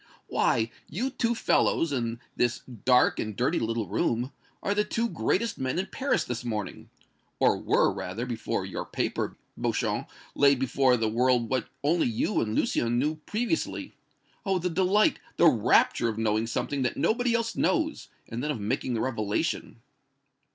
Why, you two fellows, in this dark and dirty little room, are the two greatest men in Paris this morning or were, rather, before your paper, Beauchamp, laid before the world what only you and Lucien knew previously. Oh! the delight, the rapture of knowing something that nobody else knows, and then of making the revelation!"